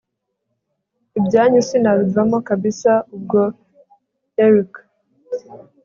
ibyanyu sinabivamo kabsa ubwo erick